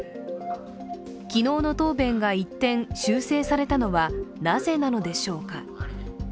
昨日の答弁が一転、修正されたのはなぜなのでしょうか。